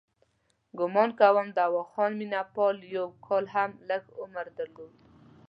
ګومان کوم دواخان مینه پال یو کال هم لږ عمر درلود.